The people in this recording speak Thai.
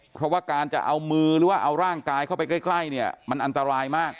เพราะว่าการจะเอามือหรือว่าเอาร่างกายเข้าไปใกล้เนี่ยมันอันตรายมาก